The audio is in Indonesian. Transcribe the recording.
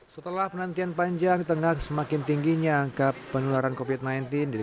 setelah penantian panjang tengah semakin tingginya angka penularan covid sembilan belas di